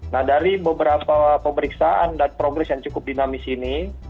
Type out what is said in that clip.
nah dari beberapa pemeriksaan dan progres yang cukup dinamis ini